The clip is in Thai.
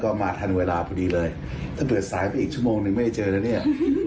ก็มาทันเวลาพอดีเลยถ้าเกิดสายไปอีกชั่วโมงนึงไม่ได้เจอแล้วเนี่ย